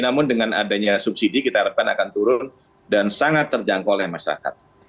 namun dengan adanya subsidi kita harapkan akan turun dan sangat terjangkau oleh masyarakat